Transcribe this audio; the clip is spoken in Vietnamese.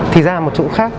thì ra một chỗ khác